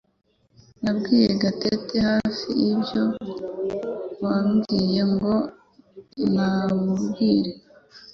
Nabwiye Gatete hafi ibyo wambwiye ngo ntamubwire